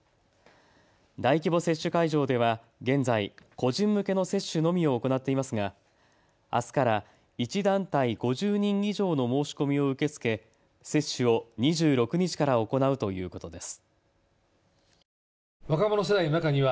大規模接種会場では現在、個人向けの接種のみを行っていますがあすから１団体５０人以上の申し込みを受け付け接種を２６日から行うということです。